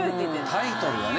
タイトルはね。